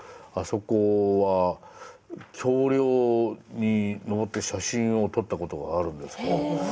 あそこは橋りょうに上って写真を撮ったことがあるんですけど。